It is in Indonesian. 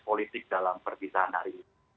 politik dalam perpisahan hari ini